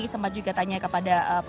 sempat juga tanya ke pak erik begitu ya